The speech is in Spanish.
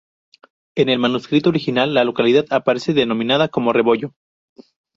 En el manuscrito original, la localidad aparece denominada como Rebollo.